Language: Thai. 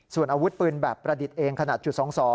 ส่วนอาวุธปืนแบบประดิษฐ์เองขนาดจุด๒๒